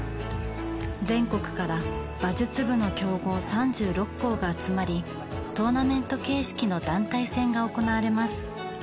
全国から馬術部の強豪３６校が集まりトーナメント形式の団体戦が行われます。